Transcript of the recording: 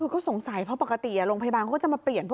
ก็สงสัยเพราะปกติโรงพยาบาลเขาก็จะมาเปลี่ยนพวก